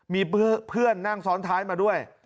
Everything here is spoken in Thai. มีเพื่อนนั่งซ้อนท้ายมาด้วย